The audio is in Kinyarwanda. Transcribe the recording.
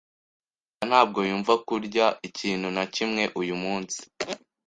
rukara ntabwo yumva kurya ikintu na kimwe uyu munsi .